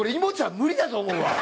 無理だと思うわ。